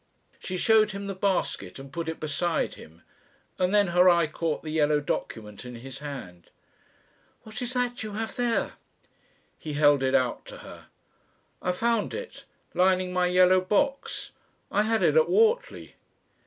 She showed him the basket and put it beside him, and then her eye caught the yellow document in his hand. "What is that you have there?" He held it out to her. "I found it lining my yellow box. I had it at Whortley."